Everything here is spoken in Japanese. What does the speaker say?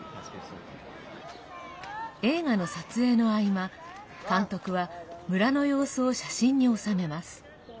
映画の撮影の合間監督は村の様子を写真に収めます。